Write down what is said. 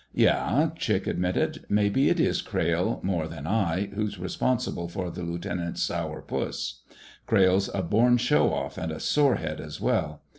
"Yeah," Chick admitted. "Maybe it is Crayle, more than I, who's responsible for the lieutenant's sour puss. Crayle's a born show off and a sorehead as well.